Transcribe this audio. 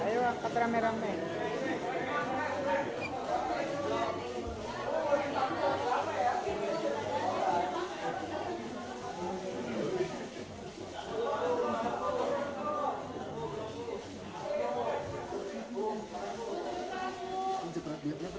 yang dolar angkat bu